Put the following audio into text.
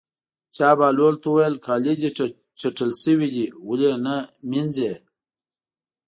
چا بهلول ته وویل: کالي دې چټل شوي دي ولې یې نه وینځې.